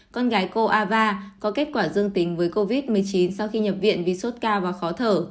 con gái cô ava có kết quả dương tính với covid một mươi chín sau khi nhập viện vì sốt cao và khó thở